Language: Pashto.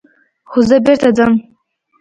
خو زه بېرته ځم.